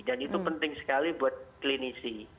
dan itu penting sekali buat klinisi